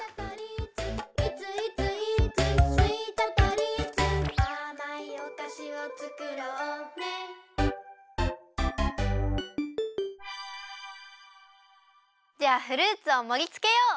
「いついついーつスウィート・トリーツ」「あまいおかしを作ろうね？」じゃあフルーツをもりつけよう！